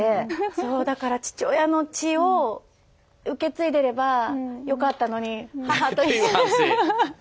そうだから父親の血を受け継いでればよかったのに母と一緒。っていう反省。